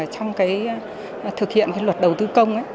trong thực hiện luật đầu tư công